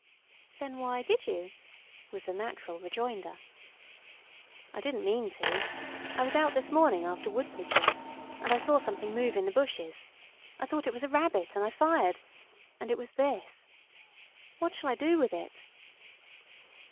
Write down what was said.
"Then why did you?" was the natural rejoinder. "I didn't mean to. I was out this morning after wood pigeons, and I saw something move in the bushes. I thought it was a rabbit and I fired, and it was this. What shall I do with it?"